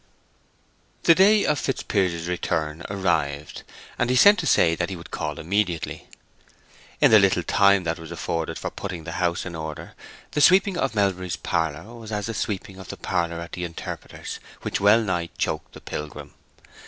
The day of Fitzpiers's return arrived, and he sent to say that he would call immediately. In the little time that was afforded for putting the house in order the sweeping of Melbury's parlor was as the sweeping of the parlor at the Interpreter's which wellnigh choked the Pilgrim.